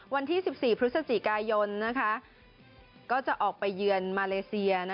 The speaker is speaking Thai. วันที่๑๔พฤศจิกายนก็จะออกไปเยือนมาเลเซีย